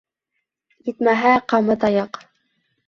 Етмәһә, ҡамыт аяҡ.